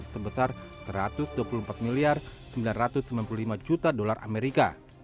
sebesar satu ratus dua puluh empat sembilan ratus sembilan puluh lima juta dolar amerika